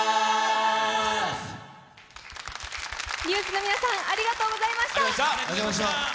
ＮＥＷＳの皆さん、ありがとうございました。